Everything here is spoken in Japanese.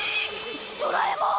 ドラえもん！